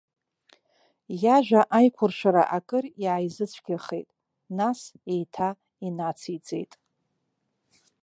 Иажәа аиқәыршәара акыр иааизыцәгьахеит, нас еиҭа инациҵеит.